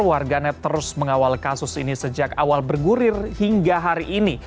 warganet terus mengawal kasus ini sejak awal bergurir hingga hari ini